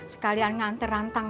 sekalian nganter rantang